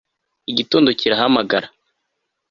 Igitondo kirahamagara